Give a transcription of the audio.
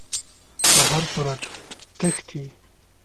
په هر صورت تښتي.